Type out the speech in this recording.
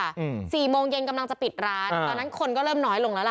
อืมสี่โมงเย็นกำลังจะปิดร้านตอนนั้นคนก็เริ่มน้อยลงแล้วล่ะ